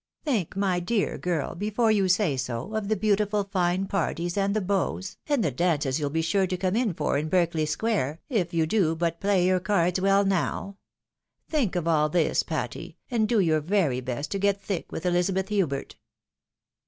"Think, my dear girl, before you say so, of the beautiful fine parties, and the beaux, and the dances you'll be sure to come in for in Berkeley square, if you do but play your cards well now. Think of ali this, Patty, and do your very best to get thick with Elizabeth Hubert."